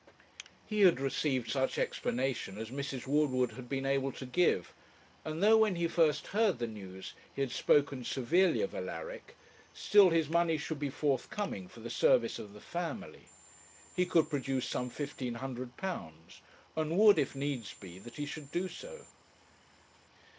He had received such explanation as Mrs. Woodward had been able to give, and though when he first heard the news he had spoken severely of Alaric, still his money should be forthcoming for the service of the family. He could produce some fifteen hundred pounds; and would if needs be that he should do so.